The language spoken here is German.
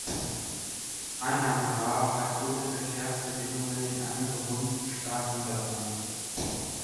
Anambra hat gute Verkehrsverbindungen in andere Bundesstaaten des Landes.